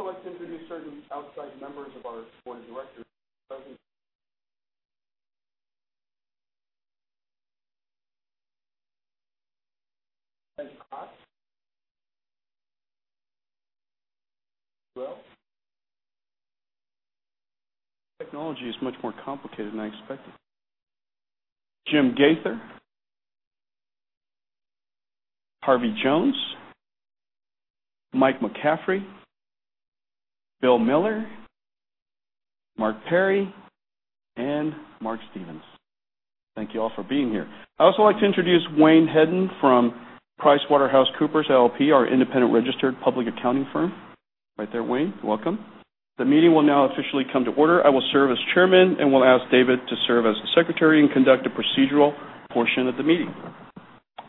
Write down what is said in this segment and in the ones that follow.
I'd also like to introduce certain outside members of our board of directors who are present. Jensen Huang. Jensen. Mark. Persis. Brooke. Technology is much more complicated than I expected. Jim Gaither. Harvey Jones. Mike McCaffrey. Bill Miller. Mark Perry, and Mark Stevens. Thank you all for being here. I'd also like to introduce Wayne Hedden from PricewaterhouseCoopers LLP, our independent registered public accounting firm. Right there, Wayne. Welcome. The meeting will now officially come to order. I will serve as chairman, will ask David to serve as the secretary and conduct the procedural portion of the meeting.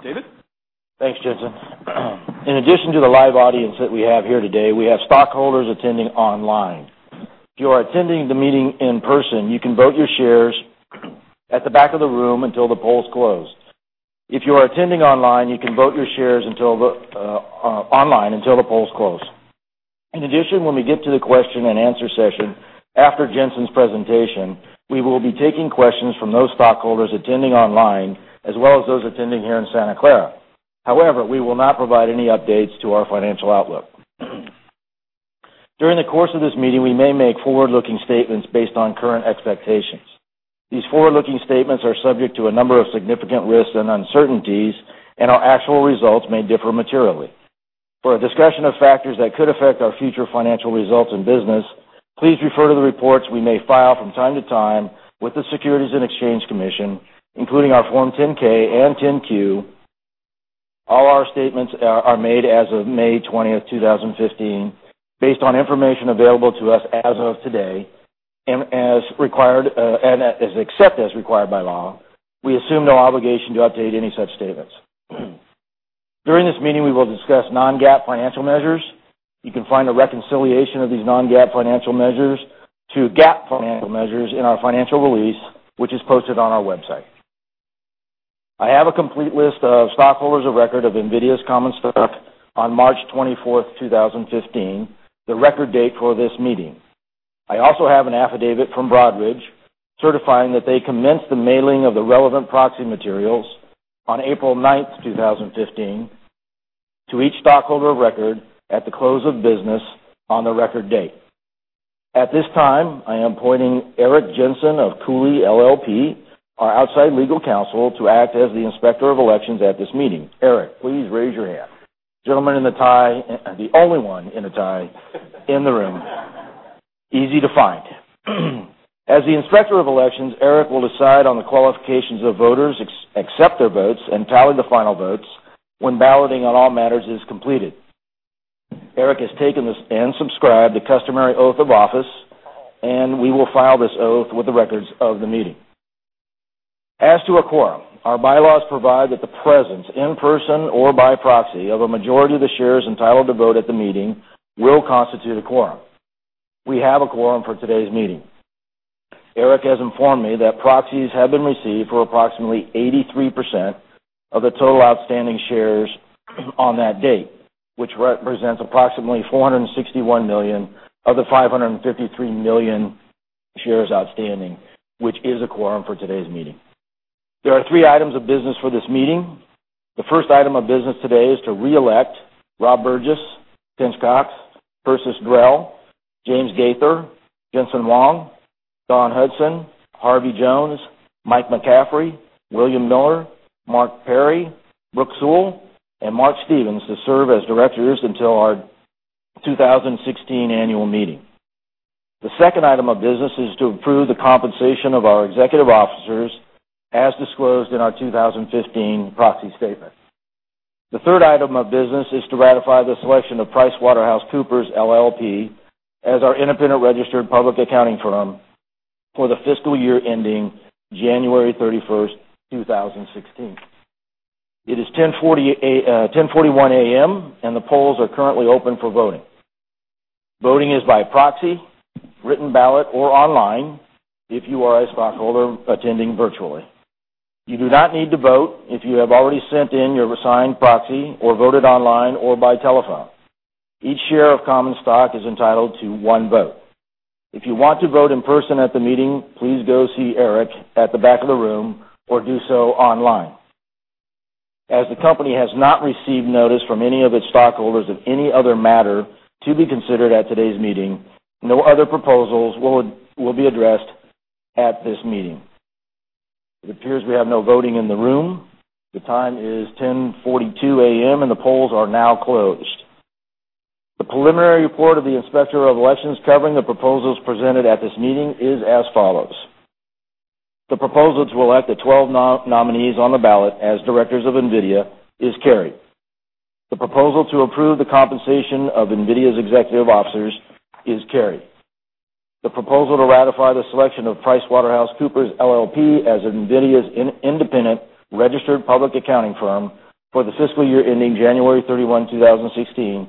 David? Thanks, Jensen. In addition to the live audience that we have here today, we have stockholders attending online. If you are attending the meeting in person, you can vote your shares at the back of the room until the polls close. If you are attending online, you can vote your shares online until the polls close. In addition, when we get to the question and answer session after Jensen's presentation, we will be taking questions from those stockholders attending online, as well as those attending here in Santa Clara. We will not provide any updates to our financial outlook. During the course of this meeting, we may make forward-looking statements based on current expectations. These forward-looking statements are subject to a number of significant risks and uncertainties, our actual results may differ materially. For a discussion of factors that could affect our future financial results and business, please refer to the reports we may file from time to time with the Securities and Exchange Commission, including our Form 10-K and 10-Q. All our statements are made as of May 20th, 2015, based on information available to us as of today, except as required by law, we assume no obligation to update any such statements. During this meeting, we will discuss non-GAAP financial measures. You can find a reconciliation of these non-GAAP financial measures to GAAP financial measures in our financial release, which is posted on our website. I have a complete list of stockholders of record of NVIDIA's common stock on March 24th, 2015, the record date for this meeting. I also have an affidavit from Broadridge certifying that they commenced the mailing of the relevant proxy materials on April 9th, 2015, to each stockholder of record at the close of business on the record date. At this time, I am appointing Eric Jensen of Cooley LLP, our outside legal counsel, to act as the Inspector of Elections at this meeting. Eric, please raise your hand. Gentleman in the tie, the only one in a tie in the room. Easy to find. As the Inspector of Elections, Eric will decide on the qualifications of voters, accept their votes, and tally the final votes when balloting on all matters is completed. Eric has taken this and subscribed the customary oath of office, and we will file this oath with the records of the meeting. As to a quorum, our bylaws provide that the presence, in person or by proxy, of a majority of the shares entitled to vote at the meeting will constitute a quorum. We have a quorum for today's meeting. Eric has informed me that proxies have been received for approximately 83% of the total outstanding shares on that date, which represents approximately 461 million of the 553 million shares outstanding, which is a quorum for today's meeting. There are three items of business for this meeting. The first item of business today is to reelect Rob Burgess, Jen Scorks, Persis Drell, James Gaither, Jensen Huang, Dawn Hudson, Harvey Jones, Mike McCaffrey, William Miller, Mark Perry, Brooke Seawell, and Mark Stevens to serve as directors until our 2016 annual meeting. The second item of business is to approve the compensation of our executive officers as disclosed in our 2015 proxy statement. The third item of business is to ratify the selection of PricewaterhouseCoopers LLP as our independent registered public accounting firm for the fiscal year ending January 31st, 2016. It is 10:41 A.M., and the polls are currently open for voting. Voting is by proxy, written ballot, or online if you are a stockholder attending virtually. You do not need to vote if you have already sent in your signed proxy or voted online or by telephone. Each share of common stock is entitled to one vote. If you want to vote in person at the meeting, please go see Eric at the back of the room or do so online. As the company has not received notice from any of its stockholders of any other matter to be considered at today's meeting, no other proposals will be addressed at this meeting. It appears we have no voting in the room. The time is 10:42 A.M. and the polls are now closed. The preliminary report of the Inspector of Elections covering the proposals presented at this meeting is as follows. The proposals to elect the 12 nominees on the ballot as directors of NVIDIA is carried. The proposal to approve the compensation of NVIDIA's executive officers is carried. The proposal to ratify the selection of PricewaterhouseCoopers LLP as NVIDIA's independent registered public accounting firm for the fiscal year ending January 31, 2016,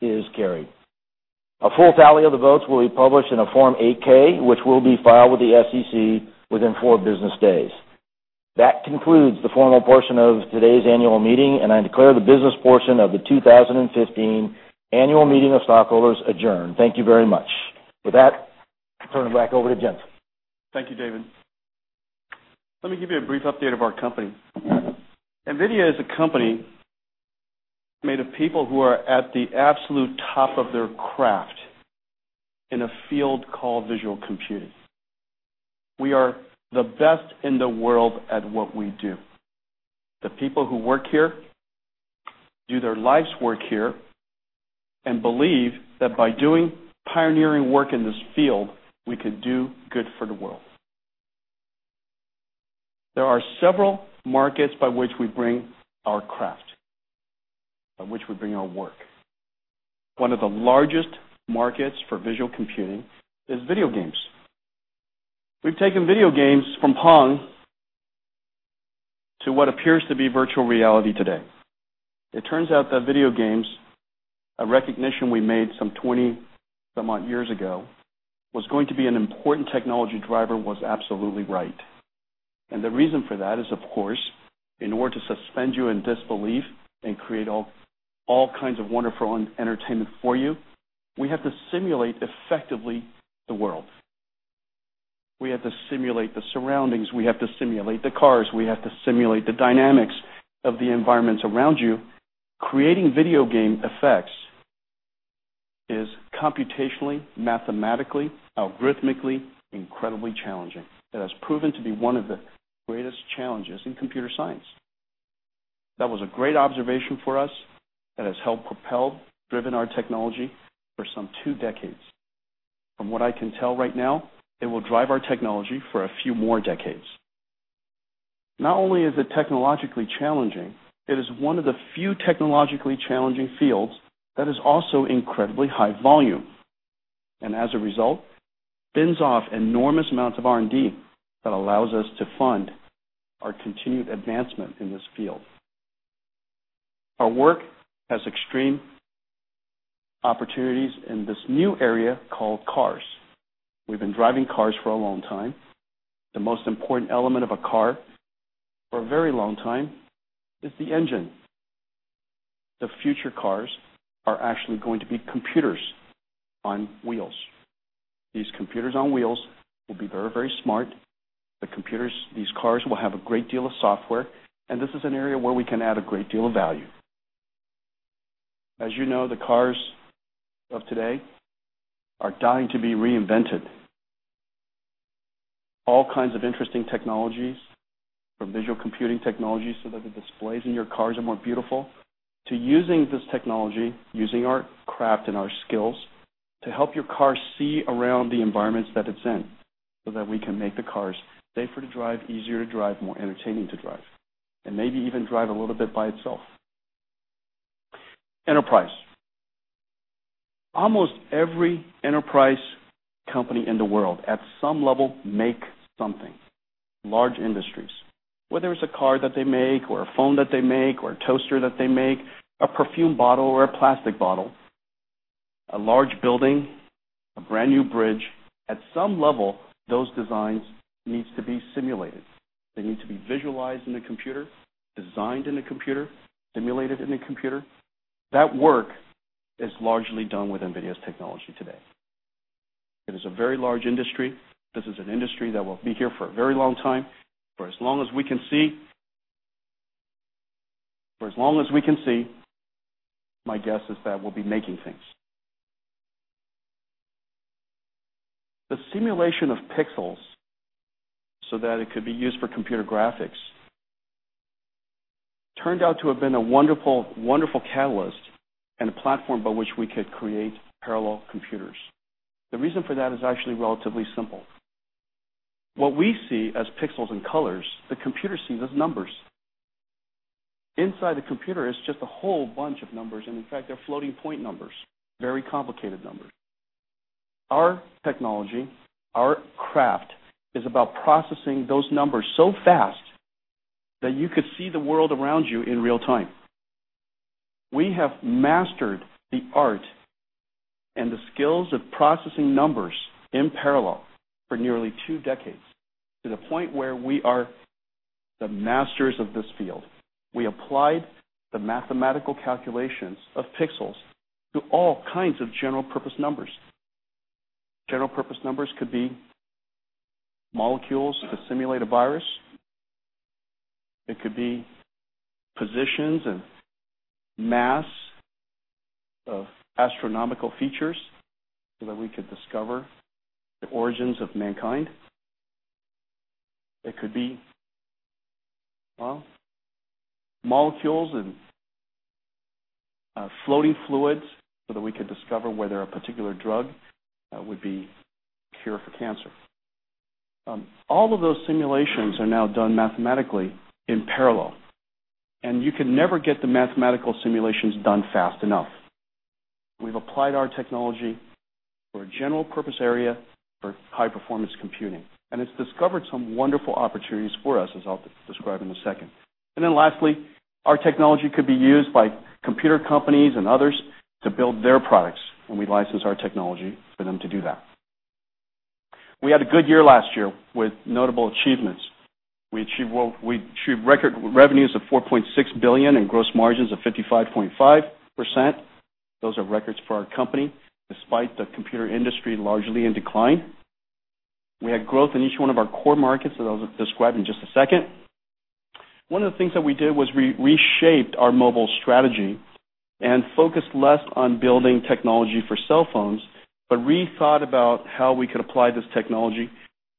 is carried. A full tally of the votes will be published in a Form 8-K, which will be filed with the SEC within four business days. That concludes the formal portion of today's annual meeting. I declare the business portion of the 2015 annual meeting of stockholders adjourned. Thank you very much. With that, I'll turn it back over to Jensen. Thank you, David. Let me give you a brief update of our company. NVIDIA is a company made of people who are at the absolute top of their craft in a field called visual computing. We are the best in the world at what we do. The people who work here do their life's work here and believe that by doing pioneering work in this field, we can do good for the world. There are several markets by which we bring our craft, by which we bring our work. One of the largest markets for visual computing is video games. We've taken video games from Pong to what appears to be virtual reality today. It turns out that video games, a recognition we made some 20 some odd years ago, was going to be an important technology driver was absolutely right. The reason for that is, of course, in order to suspend you in disbelief and create all kinds of wonderful entertainment for you, we have to simulate effectively the world. We have to simulate the surroundings. We have to simulate the cars. We have to simulate the dynamics of the environments around you. Creating video game effects is computationally, mathematically, algorithmically incredibly challenging. It has proven to be one of the greatest challenges in computer science. That was a great observation for us that has helped propel, driven our technology for some two decades. From what I can tell right now, it will drive our technology for a few more decades. Not only is it technologically challenging, it is one of the few technologically challenging fields that is also incredibly high volume. As a result, spins off enormous amounts of R&D that allows us to fund our continued advancement in this field. Our work has extreme opportunities in this new area called cars. We've been driving cars for a long time. The most important element of a car for a very long time is the engine. The future cars are actually going to be computers on wheels. These computers on wheels will be very, very smart. These cars will have a great deal of software. This is an area where we can add a great deal of value. As you know, the cars of today are dying to be reinvented. All kinds of interesting technologies from visual computing technologies so that the displays in your cars are more beautiful, to using this technology, using our craft and our skills to help your car see around the environments that it's in so that we can make the cars safer to drive, easier to drive, more entertaining to drive, and maybe even drive a little bit by itself. Enterprise. Almost every enterprise company in the world at some level makes something, large industries. Whether it's a car that they make or a phone that they make or a toaster that they make, a perfume bottle or a plastic bottle, a large building, a brand new bridge, at some level, those designs need to be simulated. They need to be visualized in a computer, designed in a computer, simulated in a computer. That work is largely done with NVIDIA's technology today. It is a very large industry. This is an industry that will be here for a very long time, for as long as we can see. For as long as we can see, my guess is that we'll be making things. The simulation of pixels so that it could be used for computer graphics turned out to have been a wonderful catalyst and a platform by which we could create parallel computers. The reason for that is actually relatively simple. What we see as pixels and colors, the computer sees as numbers. Inside the computer is just a whole bunch of numbers, and in fact, they're floating point numbers, very complicated numbers. Our technology, our craft, is about processing those numbers so fast that you could see the world around you in real time. We have mastered the art and the skills of processing numbers in parallel for nearly two decades, to the point where we are the masters of this field. We applied the mathematical calculations of pixels to all kinds of general purpose numbers. General purpose numbers could be molecules to simulate a virus. It could be positions and mass of astronomical features so that we could discover the origins of mankind. It could be molecules and floating fluids so that we could discover whether a particular drug would be a cure for cancer. All of those simulations are now done mathematically in parallel, and you can never get the mathematical simulations done fast enough. We've applied our technology for a general purpose area for high-performance computing, and it's discovered some wonderful opportunities for us, as I'll describe in a second. Lastly, our technology could be used by computer companies and others to build their products, and we license our technology for them to do that. We had a good year last year with notable achievements. We achieved record revenues of $4.6 billion and gross margins of 55.5%. Those are records for our company, despite the computer industry largely in decline. We had growth in each one of our core markets, as I'll describe in just a second. One of the things that we did was we reshaped our mobile strategy and focused less on building technology for cell phones, but rethought about how we could apply this technology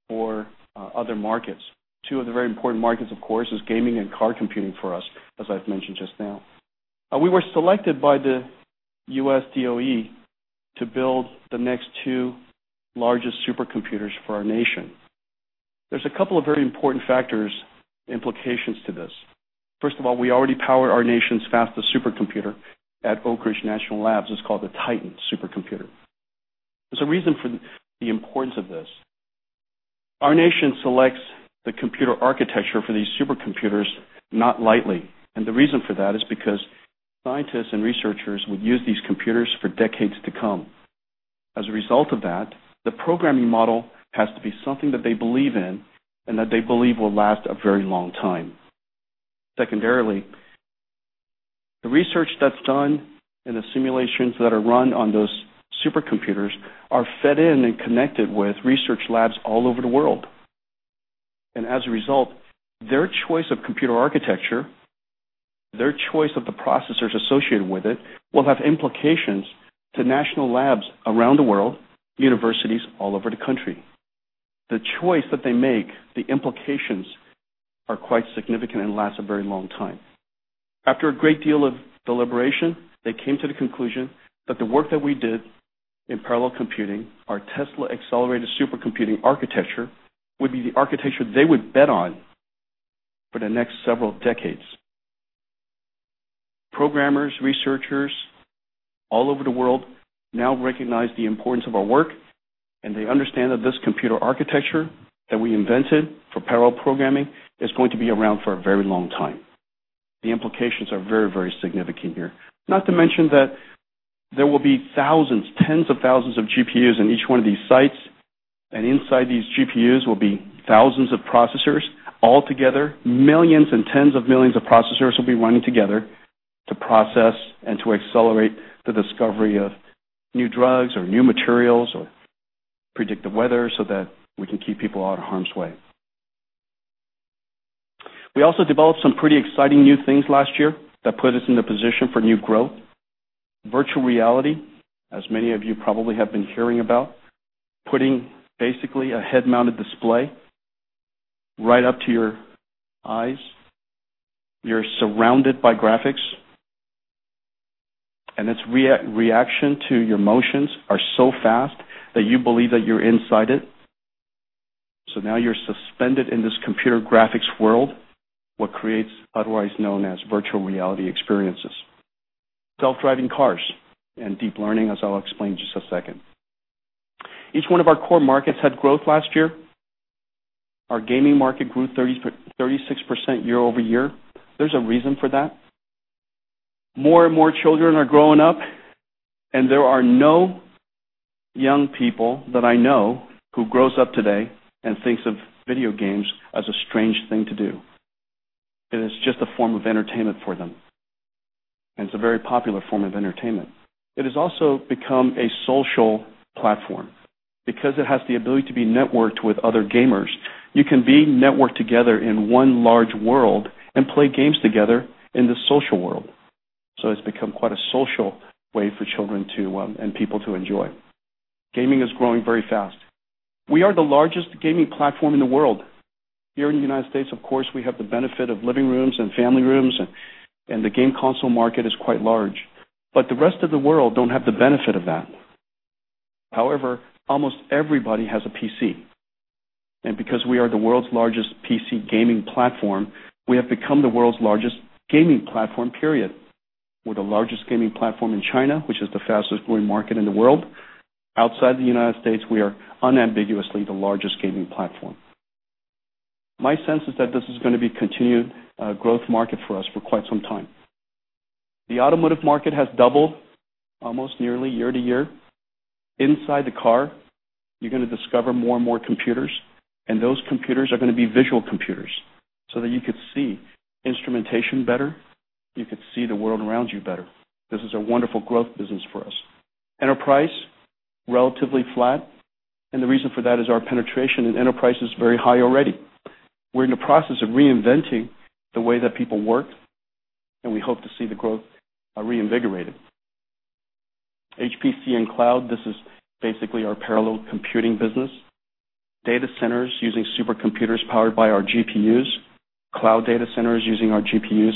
for other markets. Two of the very important markets, of course, is gaming and car computing for us, as I've mentioned just now. We were selected by the U.S. DOE to build the next two largest supercomputers for our nation. There's a couple of very important factors, implications to this. First of all, we already power our nation's fastest supercomputer at Oak Ridge National Labs. It's called the Titan supercomputer. There's a reason for the importance of this. Our nation selects the computer architecture for these supercomputers not lightly, and the reason for that is because scientists and researchers will use these computers for decades to come. As a result of that, the programming model has to be something that they believe in and that they believe will last a very long time. Secondarily, the research that's done and the simulations that are run on those supercomputers are fed in and connected with research labs all over the world. As a result, their choice of computer architecture, their choice of the processors associated with it, will have implications to national labs around the world, universities all over the country. The choice that they make, the implications are quite significant and last a very long time. After a great deal of deliberation, they came to the conclusion that the work that we did in parallel computing, our Tesla accelerated supercomputing architecture, would be the architecture they would bet on for the next several decades. Programmers, researchers all over the world now recognize the importance of our work, and they understand that this computer architecture that we invented for parallel programming is going to be around for a very long time. The implications are very, very significant here. Not to mention that there will be thousands, tens of thousands of GPUs in each one of these sites, and inside these GPUs will be thousands of processors all together. Millions and tens of millions of processors will be running together to process and to accelerate the discovery of new drugs or new materials or predict the weather so that we can keep people out of harm's way. We also developed some pretty exciting new things last year that put us in the position for new growth. Virtual reality, as many of you probably have been hearing about, putting basically a head-mounted display right up to your eyes. You're surrounded by graphics, and its reaction to your motions are so fast that you believe that you're inside it. Now you're suspended in this computer graphics world, what creates otherwise known as virtual reality experiences. Self-driving cars and deep learning, as I'll explain in just a second. Each one of our core markets had growth last year. Our gaming market grew 36% year-over-year. There's a reason for that. More and more children are growing up, and there are no young people that I know who grows up today and thinks of video games as a strange thing to do. It is just a form of entertainment for them, and it's a very popular form of entertainment. It has also become a social platform. It has the ability to be networked with other gamers, you can be networked together in one large world and play games together in the social world. It's become quite a social way for children to, and people to enjoy. Gaming is growing very fast. We are the largest gaming platform in the world. Here in the U.S., of course, we have the benefit of living rooms and family rooms, and the game console market is quite large. The rest of the world don't have the benefit of that. However, almost everybody has a PC. Because we are the world's largest PC gaming platform, we have become the world's largest gaming platform, period. We're the largest gaming platform in China, which is the fastest-growing market in the world. Outside the U.S., we are unambiguously the largest gaming platform. My sense is that this is going to be a continued growth market for us for quite some time. The automotive market has doubled almost nearly year-over-year. Inside the car, you're going to discover more and more computers. Those computers are going to be visual computers so that you could see instrumentation better, you could see the world around you better. This is a wonderful growth business for us. Enterprise, relatively flat. The reason for that is our penetration in Enterprise is very high already. We're in the process of reinventing the way that people work, and we hope to see the growth reinvigorated. HPC and cloud, this is basically our parallel computing business. Data centers using supercomputers powered by our GPUs, cloud data centers using our GPUs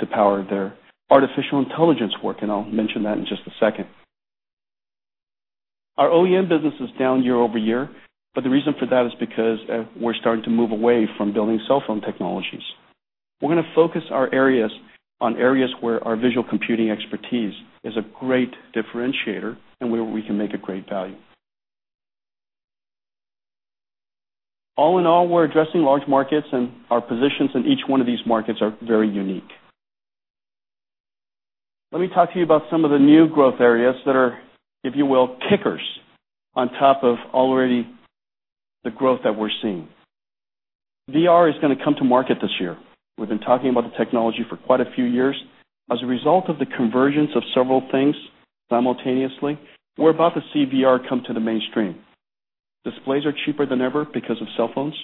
to power their artificial intelligence work, I'll mention that in just a second. Our OEM business is down year-over-year. The reason for that is because we're starting to move away from building cell phone technologies. We're going to focus on areas where our visual computing expertise is a great differentiator and where we can make a great value. All in all, we're addressing large markets. Our positions in each one of these markets are very unique. Let me talk to you about some of the new growth areas that are, if you will, kickers on top of already the growth that we're seeing. VR is going to come to market this year. We've been talking about the technology for quite a few years. As a result of the convergence of several things simultaneously, we're about to see VR come to the mainstream. Displays are cheaper than ever because of cell phones.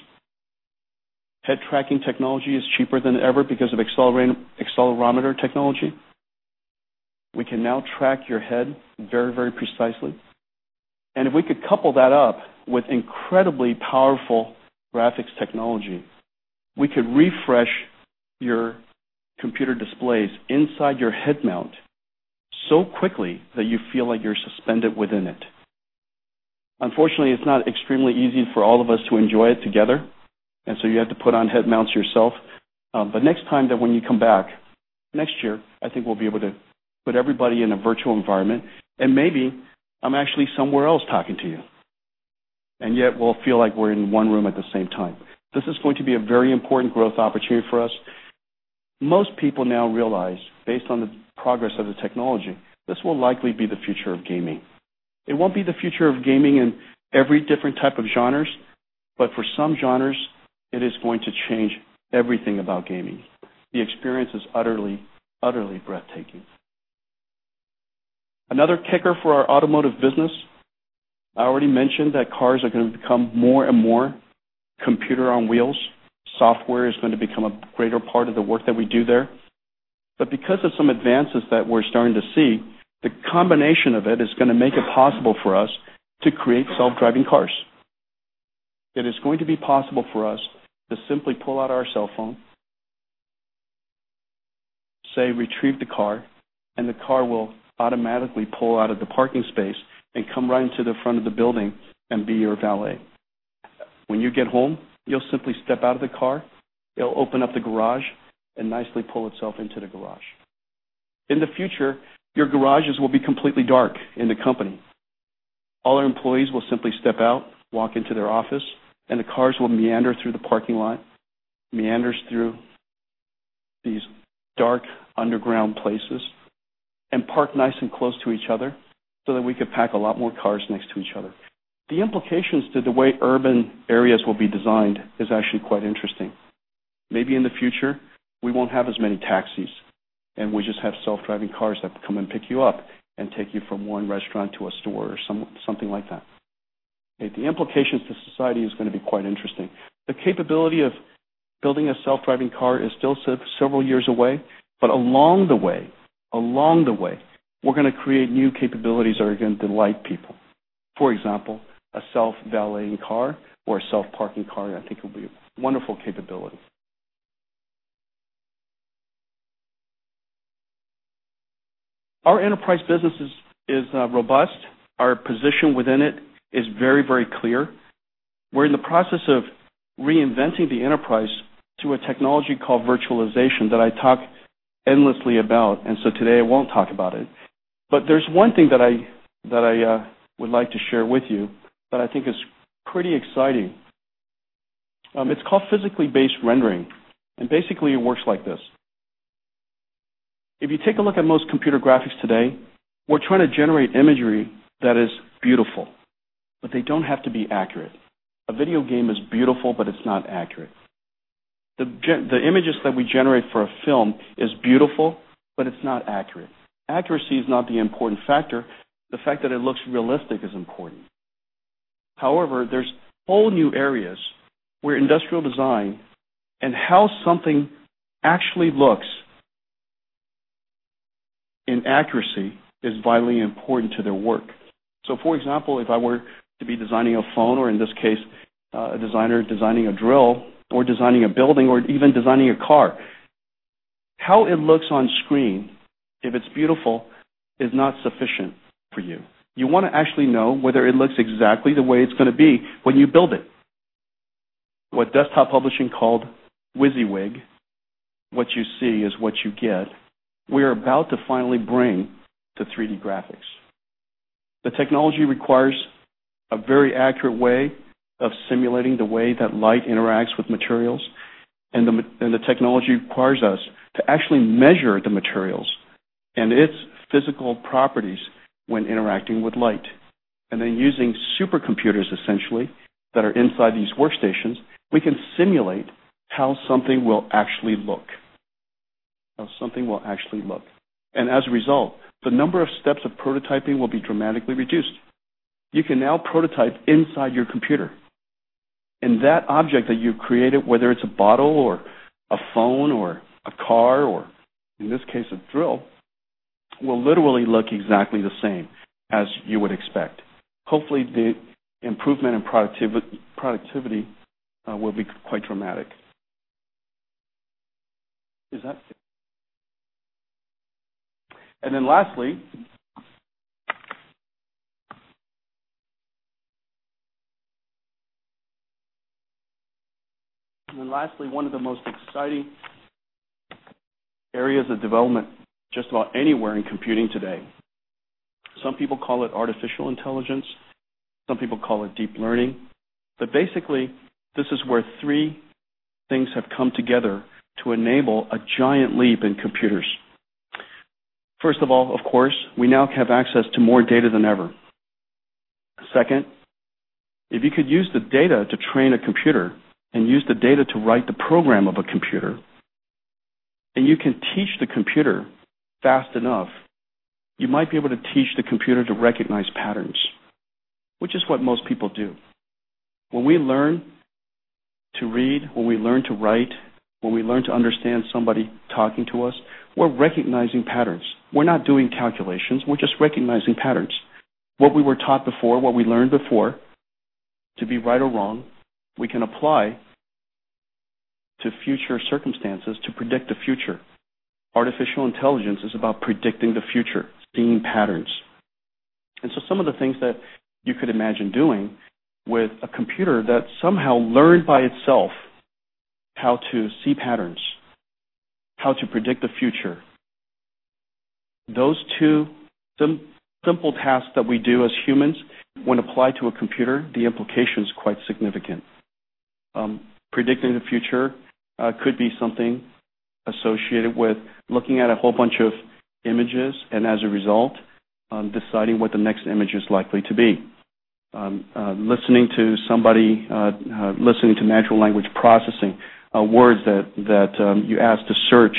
Head tracking technology is cheaper than ever because of accelerometer technology. We can now track your head very precisely. If we could couple that up with incredibly powerful graphics technology, we could refresh your computer displays inside your head mount so quickly that you feel like you're suspended within it. Unfortunately, it's not extremely easy for all of us to enjoy it together, so you have to put on head mounts yourself. Next time that when you come back, next year, I think we'll be able to put everybody in a virtual environment, maybe I'm actually somewhere else talking to you, yet we'll feel like we're in one room at the same time. This is going to be a very important growth opportunity for us. Most people now realize, based on the progress of the technology, this will likely be the future of gaming. It won't be the future of gaming in every different type of genres, but for some genres, it is going to change everything about gaming. The experience is utterly breathtaking. Another kicker for our automotive business, I already mentioned that cars are going to become more and more computer on wheels. Software is going to become a greater part of the work that we do there. Because of some advances that we're starting to see, the combination of it is going to make it possible for us to create self-driving cars. It is going to be possible for us to simply pull out our cell phone, say retrieve the car, and the car will automatically pull out of the parking space and come right into the front of the building and be your valet. When you get home, you'll simply step out of the car, it'll open up the garage, and nicely pull itself into the garage. In the future, your garages will be completely dark in the company. All our employees will simply step out, walk into their office, and the cars will meander through the parking lot, meanders through these dark underground places, and park nice and close to each other so that we could pack a lot more cars next to each other. The implications to the way urban areas will be designed is actually quite interesting. Maybe in the future, we won't have as many taxis, and we'll just have self-driving cars that come and pick you up and take you from one restaurant to a store or something like that. The implications to society is going to be quite interesting. The capability of building a self-driving car is still several years away, but along the way, we're going to create new capabilities that are going to delight people. For example, a self-valeting car or a self-parking car I think will be a wonderful capability. Our enterprise business is robust. Our position within it is very clear. We're in the process of reinventing the enterprise through a technology called virtualization that I talk endlessly about, and so today I won't talk about it. There's one thing that I would like to share with you that I think is pretty exciting. It's called physically based rendering, and basically, it works like this. If you take a look at most computer graphics today, we're trying to generate imagery that is beautiful, but they don't have to be accurate. A video game is beautiful, but it's not accurate. The images that we generate for a film is beautiful, but it's not accurate. Accuracy is not the important factor. The fact that it looks realistic is important. However, there's whole new areas where industrial design and how something actually looks in accuracy is vitally important to their work. For example, if I were to be designing a phone, or in this case, a designer designing a drill, or designing a building, or even designing a car, how it looks on screen, if it's beautiful, is not sufficient for you. You want to actually know whether it looks exactly the way it's going to be when you build it. What desktop publishing called WYSIWYG, what you see is what you get, we're about to finally bring to 3D graphics. The technology requires a very accurate way of simulating the way that light interacts with materials, the technology requires us to actually measure the materials and its physical properties when interacting with light. Then using supercomputers, essentially, that are inside these workstations, we can simulate how something will actually look. As a result, the number of steps of prototyping will be dramatically reduced. You can now prototype inside your computer, that object that you've created, whether it's a bottle or a phone or a car or, in this case, a drill, will literally look exactly the same as you would expect. Hopefully, the improvement in productivity will be quite dramatic. Then lastly, one of the most exciting areas of development just about anywhere in computing today. Some people call it artificial intelligence, some people call it deep learning. Basically, this is where three things have come together to enable a giant leap in computers. First of all, of course, we now have access to more data than ever. Second, if you could use the data to train a computer and use the data to write the program of a computer, you can teach the computer fast enough, you might be able to teach the computer to recognize patterns, which is what most people do. When we learn to read, when we learn to write, when we learn to understand somebody talking to us, we're recognizing patterns. We're not doing calculations. We're just recognizing patterns. What we were taught before, what we learned before to be right or wrong, we can apply to future circumstances to predict the future. Artificial intelligence is about predicting the future, seeing patterns. Some of the things that you could imagine doing with a computer that somehow learned by itself how to see patterns, how to predict the future. Those two simple tasks that we do as humans when applied to a computer, the implication is quite significant. Predicting the future could be something associated with looking at a whole bunch of images, as a result, deciding what the next image is likely to be. Listening to natural language processing, words that you ask for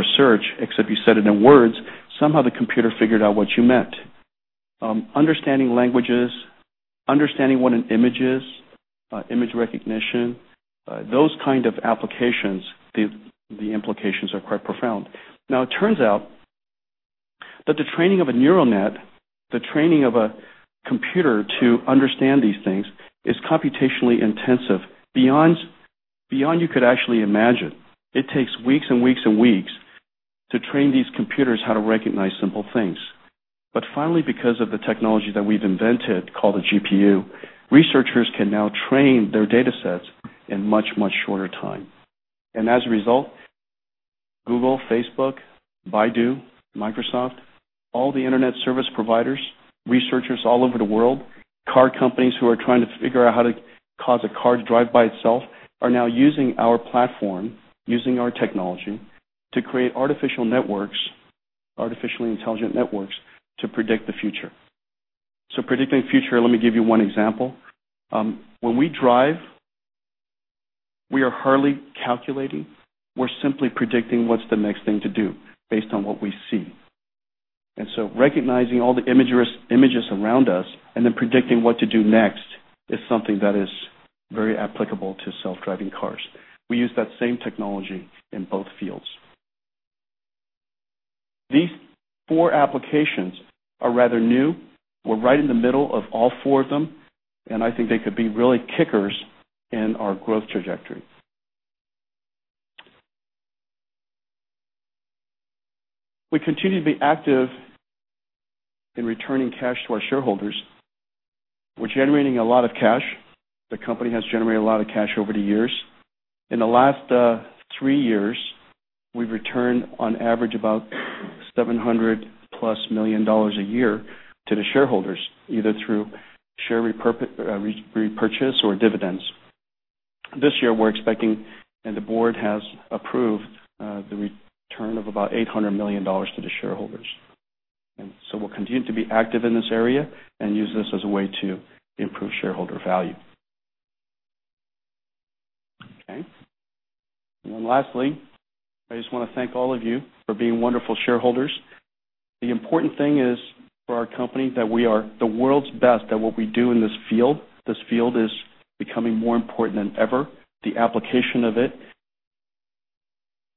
a search, except you said it in words, somehow the computer figured out what you meant. Understanding languages, understanding what an image is, image recognition, those kind of applications, the implications are quite profound. Now it turns out that the training of a neural net, the training of a computer to understand these things is computationally intensive beyond you could actually imagine. It takes weeks and weeks and weeks to train these computers how to recognize simple things. Finally, because of the technology that we've invented called the GPU, researchers can now train their datasets in much, much shorter time. As a result, Google, Facebook, Baidu, Microsoft, all the internet service providers, researchers all over the world, car companies who are trying to figure out how to cause a car to drive by itself, are now using our platform, using our technology to create artificial networks, artificially intelligent networks, to predict the future. Predicting the future, let me give you one example. When we drive, we are hardly calculating. We're simply predicting what's the next thing to do based on what we see. Recognizing all the images around us and then predicting what to do next is something that is very applicable to self-driving cars. We use that same technology in both fields. These four applications are rather new. We're right in the middle of all four of them, I think they could be really kickers in our growth trajectory. We continue to be active in returning cash to our shareholders. We're generating a lot of cash. The company has generated a lot of cash over the years. In the last three years, we've returned on average about $700+ million a year to the shareholders, either through share repurchase or dividends. This year, we're expecting, and the board has approved, the return of about $800 million to the shareholders. We'll continue to be active in this area and use this as a way to improve shareholder value. Lastly, I just want to thank all of you for being wonderful shareholders. The important thing is for our company that we are the world's best at what we do in this field. This field is becoming more important than ever. The application of it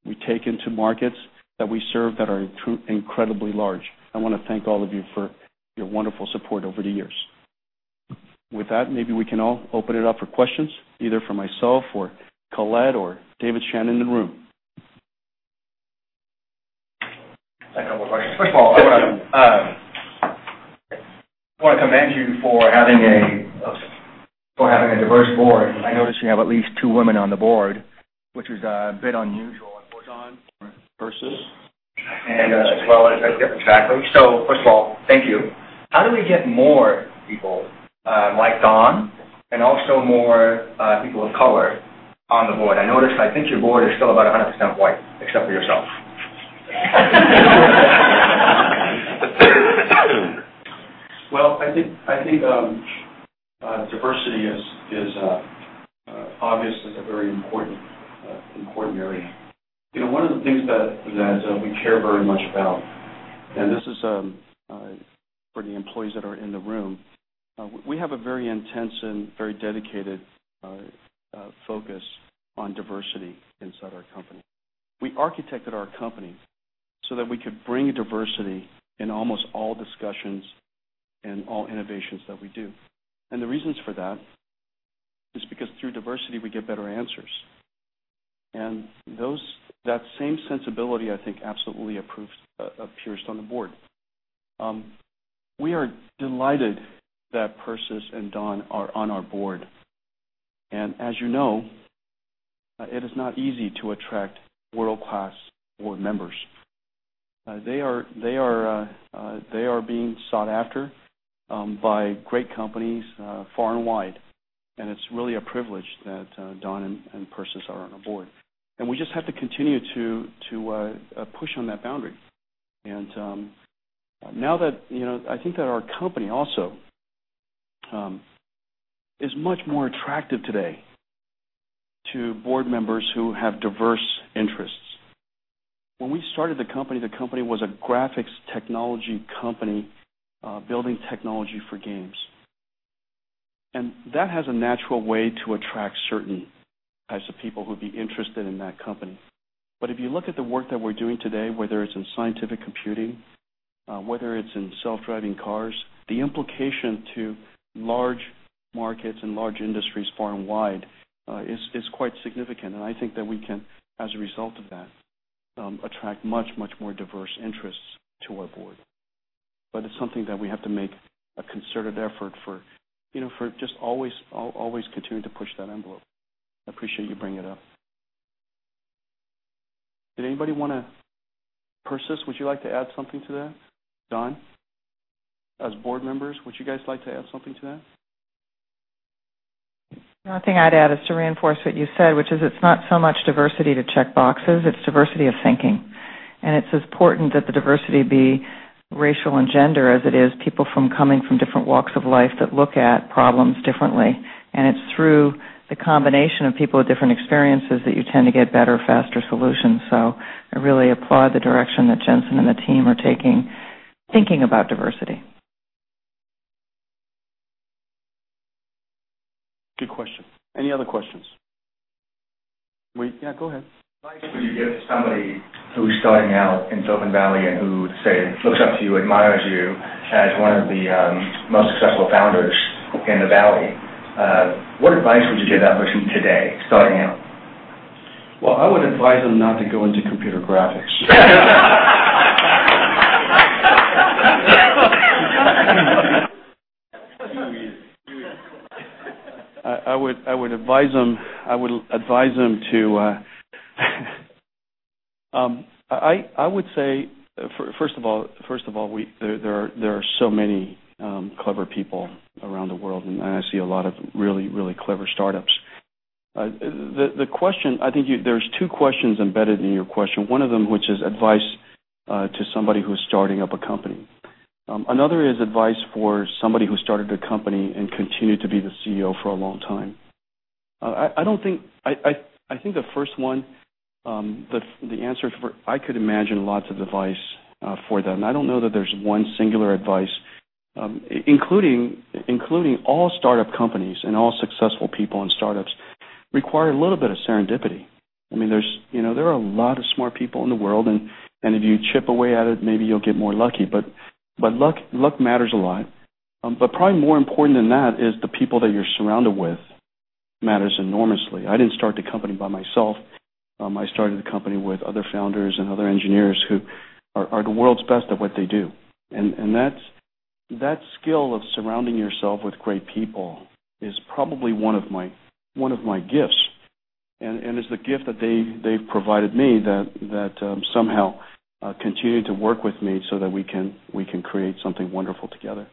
we take into markets that we serve that are incredibly large. I want to thank all of you for your wonderful support over the years. With that, maybe we can all open it up for questions, either for myself or Colette or David Shannon in the room. I have a couple of questions. First of all, I want to commend you for having a diverse board. I noticed you have at least two women on the board, which is a bit unusual in boards on Persis. As well as a different faculty. First of all, thank you. How do we get more people like Dawn and also more people of color on the board? I noticed, I think your board is still about 100% white except for yourself. I think diversity is obvious as a very important area. One of the things that we care very much about, this is for the employees that are in the room, we have a very intense and very dedicated focus on diversity inside our company. We architected our company so that we could bring diversity in almost all discussions and all innovations that we do. The reasons for that is because through diversity, we get better answers. That same sensibility, I think, absolutely appears on the board. We are delighted that Persis and Dawn are on our board. As you know, it is not easy to attract world-class board members. They are being sought after by great companies far and wide, it's really a privilege that Dawn and Persis are on our board. We just have to continue to push on that boundary. Now that I think that our company also is much more attractive today to board members who have diverse interests. When we started the company, the company was a graphics technology company building technology for games. That has a natural way to attract certain types of people who'd be interested in that company. If you look at the work that we're doing today, whether it's in scientific computing, whether it's in self-driving cars, the implication to large markets and large industries far and wide is quite significant. I think that we can, as a result of that, attract much, much more diverse interests to our board. It's something that we have to make a concerted effort for just always continuing to push that envelope. I appreciate you bringing it up. Did anybody want to? Persis, would you like to add something to that? Dawn? As board members, would you guys like to add something to that? The only thing I'd add is to reinforce what you said, which is it's not so much diversity to check boxes, it's diversity of thinking. It's as important that the diversity be racial and gender as it is people from coming from different walks of life that look at problems differently. It's through the combination of people with different experiences that you tend to get better, faster solutions. I really applaud the direction that Jensen and the team are taking thinking about diversity. Good question. Any other questions? Yeah, go ahead. What advice would you give somebody who's starting out in Silicon Valley and who, say, looks up to you, admires you as one of the most successful founders in the Valley? What advice would you give that person today starting out? Well, I would advise them. I would say, first of all, there are so many clever people around the world, and I see a lot of really clever startups. The question, I think there's 2 questions embedded in your question. One of them, which is advice to somebody who's starting up a company. Another is advice for somebody who started a company and continued to be the CEO for a long time. I think the first one, the answer. I could imagine lots of advice for them. I don't know that there's one singular advice. Including all startup companies and all successful people in startups require a little bit of serendipity. There are a lot of smart people in the world, and if you chip away at it, maybe you'll get more lucky. Luck matters a lot. Probably more important than that is the people that you're surrounded with matters enormously. I didn't start the company by myself. I started the company with other founders and other engineers who are the world's best at what they do. That skill of surrounding yourself with great people is probably one of my gifts. It's the gift that they've provided me that somehow continued to work with me so that we can create something wonderful together.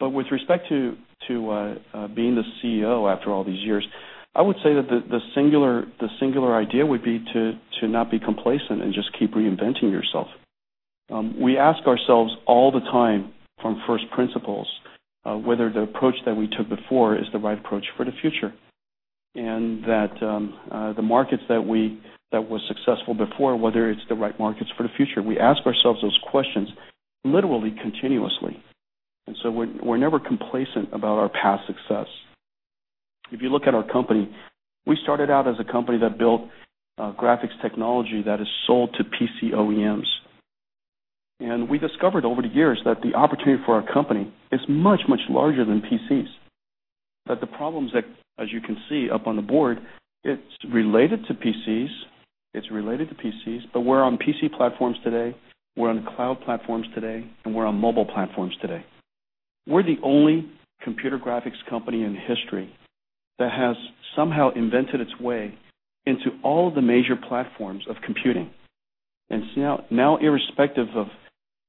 With respect to being the CEO after all these years, I would say that the singular idea would be to not be complacent and just keep reinventing yourself. We ask ourselves all the time from first principles, whether the approach that we took before is the right approach for the future, and that the markets that was successful before, whether it's the right markets for the future. We ask ourselves those questions literally continuously. We're never complacent about our past success. If you look at our company, we started out as a company that built graphics technology that is sold to PC OEMs. We discovered over the years that the opportunity for our company is much larger than PCs. That the problems that, as you can see up on the board, it's related to PCs. We're on PC platforms today, we're on cloud platforms today, and we're on mobile platforms today. We're the only computer graphics company in history that has somehow invented its way into all the major platforms of computing. Now irrespective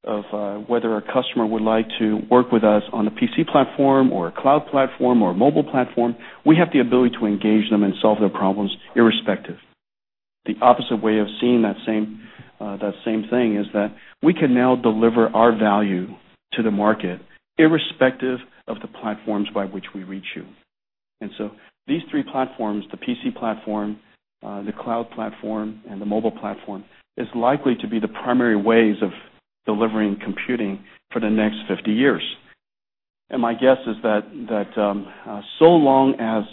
of whether a customer would like to work with us on a PC platform or a cloud platform or a mobile platform, we have the ability to engage them and solve their problems irrespective. The opposite way of seeing that same thing is that we can now deliver our value to the market irrespective of the platforms by which we reach you. These three platforms, the PC platform, the cloud platform, and the mobile platform, is likely to be the primary ways of delivering computing for the next 50 years. My guess is that so long as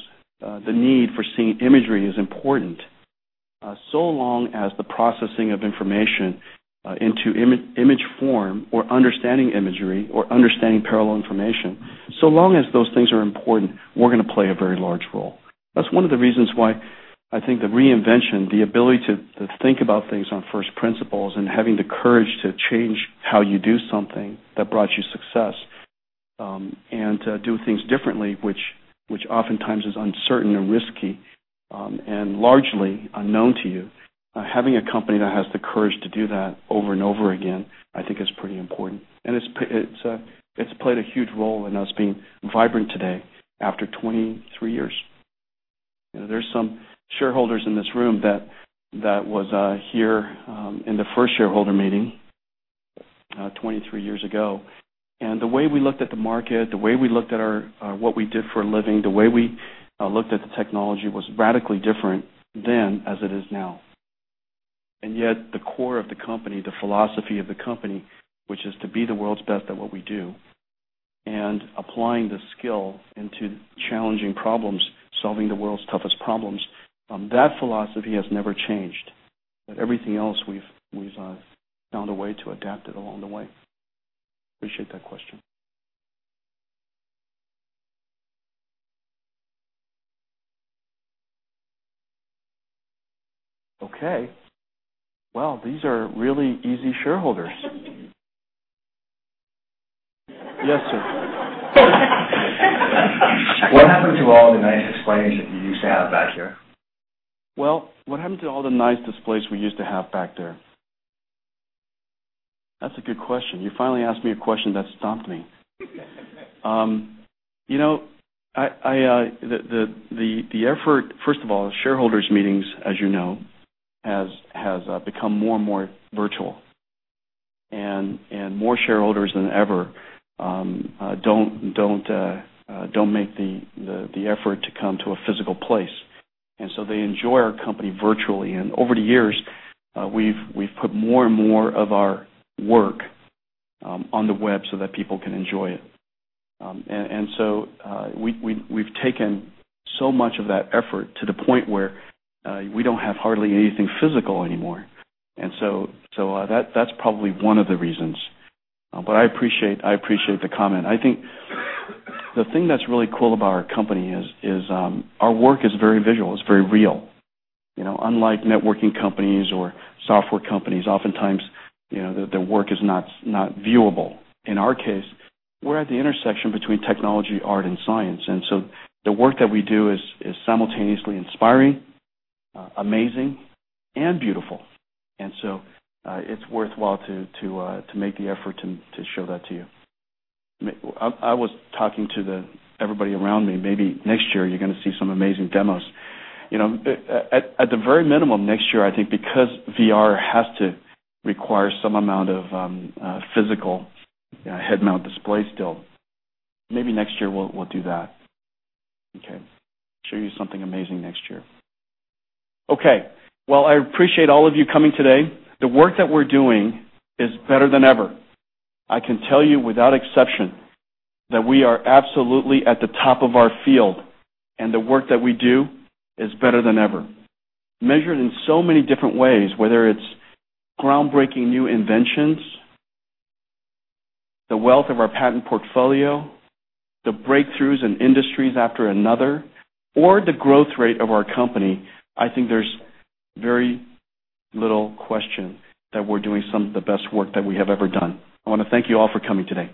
the need for seeing imagery is important, so long as the processing of information into image form or understanding imagery or understanding parallel information, so long as those things are important, we're going to play a very large role. That's one of the reasons why I think the reinvention, the ability to think about things on first principles and having the courage to change how you do something that brought you success, to do things differently, which oftentimes is uncertain and risky, and largely unknown to you. Having a company that has the courage to do that over and over again, I think is pretty important. It's played a huge role in us being vibrant today after 23 years. There's some shareholders in this room that was here in the first shareholder meeting 23 years ago. The way we looked at the market, the way we looked at what we did for a living, the way we looked at the technology was radically different then as it is now. Yet the core of the company, the philosophy of the company, which is to be the world's best at what we do, applying the skill into challenging problems, solving the world's toughest problems, that philosophy has never changed. Everything else we've found a way to adapt it along the way. Appreciate that question. Okay. Well, these are really easy shareholders. Yes, sir. What happened to all the nice displays that you used to have back here? Well, what happened to all the nice displays we used to have back there? That's a good question. You finally asked me a question that stumped me. First of all, shareholders meetings, as you know, has become more and more virtual, and more shareholders than ever don't make the effort to come to a physical place. They enjoy our company virtually. Over the years, we've put more and more of our work on the web so that people can enjoy it. We've taken so much of that effort to the point where we don't have hardly anything physical anymore. That's probably one of the reasons. I appreciate the comment. I think the thing that's really cool about our company is our work is very visual. It's very real. Unlike networking companies or software companies, oftentimes their work is not viewable. In our case, we're at the intersection between technology, art, and science. The work that we do is simultaneously inspiring, amazing, and beautiful. It's worthwhile to make the effort to show that to you. I was talking to everybody around me, maybe next year you're going to see some amazing demos. At the very minimum next year, I think because VR has to require some amount of physical head mount display still, maybe next year we'll do that. Okay. Show you something amazing next year. Okay. Well, I appreciate all of you coming today. The work that we're doing is better than ever. I can tell you without exception that we are absolutely at the top of our field, and the work that we do is better than ever. Measured in so many different ways, whether it's groundbreaking new inventions, the wealth of our patent portfolio, the breakthroughs in industries after another, or the growth rate of our company, I think there's very little question that we're doing some of the best work that we have ever done. I want to thank you all for coming today.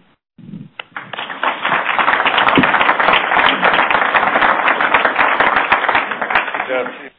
Good job.